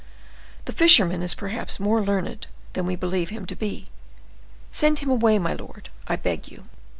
The fisherman is perhaps more learned than we believe him to be. Send him away, my lord, I beg you."